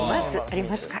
ありますか？